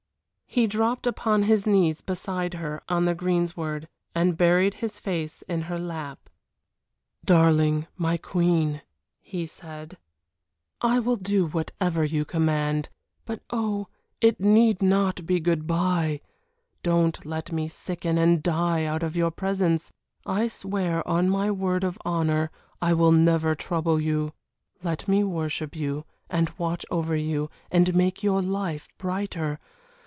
He dropped upon his knees beside her on the greensward, and buried his face in her lap. "Darling my queen," he said. "I will do whatever you command but oh, it need not be good bye. Don't let me sicken and die out of your presence. I swear, on my word of honor, I will never trouble you. Let me worship you and watch over you and make your life brighter.